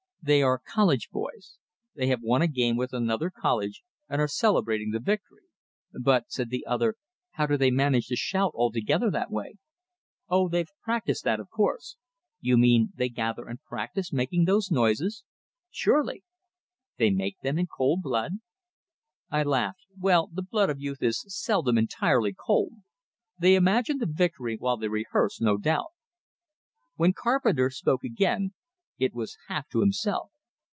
"They are college boys. They have won a game with another college, and are celebrating the victory." "But," said the other, "how do they manage to shout all together that way?" "Oh, they've practiced that, of course." "You mean they gather and practice making those noises?" "Surely." "They make them in cold blood?" I laughed. "Well, the blood of youth is seldom entirely cold. They imagine the victory while they rehearse, no doubt." When Carpenter spoke again, it was half to himself.